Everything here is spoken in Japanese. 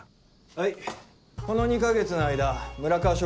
はいこの２か月の間村川署